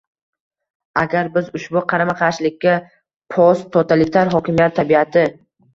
Agar biz ushbu qarama-qarshilikka post totalitar hokimiyat tabiati